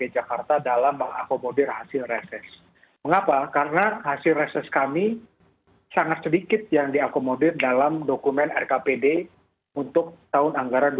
juga diakomodir nanti tahun dua ribu dua puluh satu